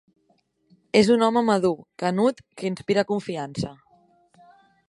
És un home madur, canut, que inspira confiança.